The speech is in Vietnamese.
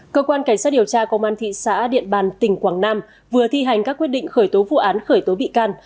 cơ quan cảnh sát điều tra công an thị xã điện bàn tỉnh quảng nam vừa thi hành các quyết định khởi tố vụ án khởi tố bị can